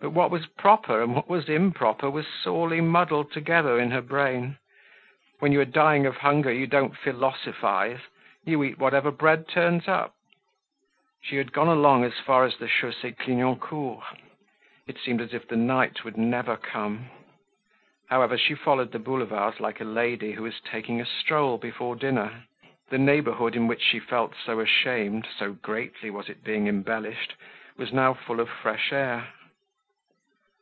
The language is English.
But what was proper and what was improper was sorely muddled together in her brain. When you are dying of hunger, you don't philosophize, you eat whatever bread turns up. She had gone along as far as the Chaussee Clignancourt. It seemed as if the night would never come. However, she followed the Boulevards like a lady who is taking a stroll before dinner. The neighborhood in which she felt so ashamed, so greatly was it being embellished, was now full of fresh air.